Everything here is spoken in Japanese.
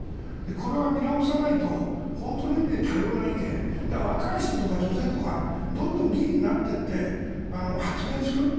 これは見直さないと本当の意味で多様な意見若い人とか女性とかどんどん議員になっていって発言する。